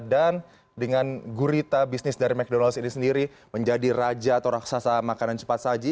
dan dengan gurita bisnis dari mcdonald's ini sendiri menjadi raja atau raksasa makanan cepat saji